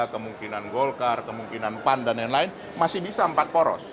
kemungkinan golkar kemungkinan pan dan lain lain masih bisa empat poros